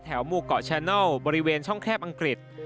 หมู่เกาะแชนัลบริเวณช่องแคบอังกฤษ